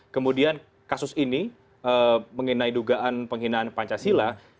kemudian kasus ini mengenai dugaan penghinaan pancasila